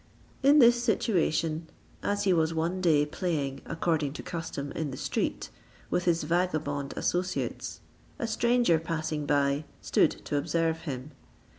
In this situation, as he was one day playing according to custom in the street, with his vagabond associates, a stranger passing by stood to observe him.